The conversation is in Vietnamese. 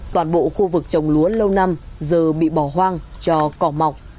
toàn bộ khu vực trồng lúa lâu năm giờ bị bỏ hoang cho cỏ mọc